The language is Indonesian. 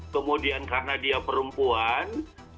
kemudian karena dia perempuan